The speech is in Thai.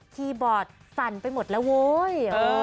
คีย์บอร์ดสั่นไปหมดแล้วเว้ย